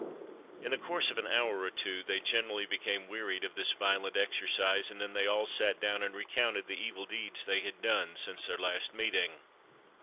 In the course of an hour or two they generally became wearied of this violent exercise, and then they all sat down and recounted the evil deeds they had done since their last meeting.